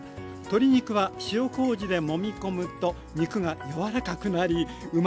鶏肉は塩こうじでもみ込むと肉が柔らかくなりうまみがアップ。